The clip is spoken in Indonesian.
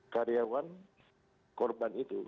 karyawan korban itu